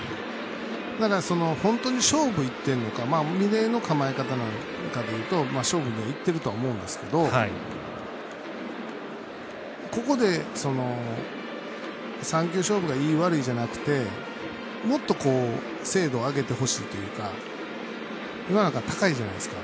だから、本当に勝負いってんのか嶺井の構え方なんかでいうと勝負にいってるとは思うんですけどここで、３球勝負がいい悪いじゃなくてもっと精度を上げてほしいというか今のなんか高いじゃないですか。